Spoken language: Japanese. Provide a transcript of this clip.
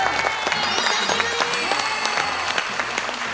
久しぶり！